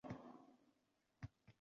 tizimlashtiradi.